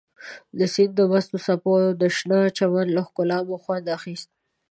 د سیند د مستو څپو او د شنه چمن له ښکلا مو خوند اخیست.